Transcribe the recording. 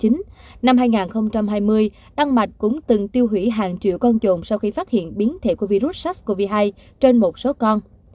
năm hai nghìn hai mươi đan mạch cũng từng tiêu hủy hàng triệu con chuồng sau khi phát hiện biến thể của virus sars cov hai trên một số con